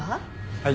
はい。